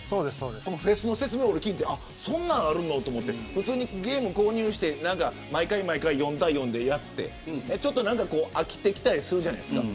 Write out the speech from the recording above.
フェスの説明を聞いてそんなのあるのと思ってゲームを購入して毎回４対４でやってちょっと飽きてきたりするじゃないですか。